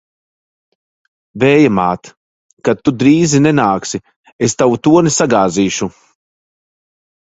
Vēja māt! Kad tu drīzi nenāksi, es tavu torni sagāzīšu!